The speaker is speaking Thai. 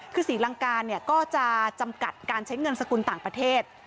คือศรีลังกาเนี่ยก็จะจำกัดการใช้เงินสกุลต่างประเทศ